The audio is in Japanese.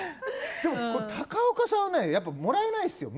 高岡さんはもらえないですよ